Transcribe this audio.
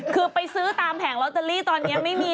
คือไปซื้อตามแผงลอตเตอรี่ตอนนี้ไม่มี